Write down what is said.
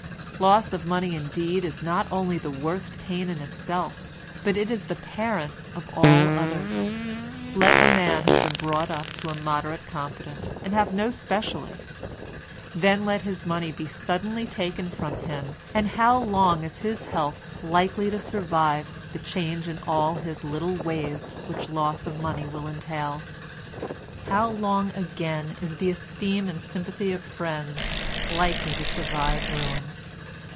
Loss of money indeed is not only the worst pain in itself, but it is the parent of all others. Let a man have been brought up to a moderate competence, and have no specially; then let his money be suddenly taken from him, and how long is his health likely to survive the change in all his little ways which loss of money will entail? How long again is the esteem and sympathy of friends likely to survive ruin?